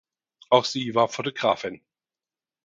Auch sie war Fotografin.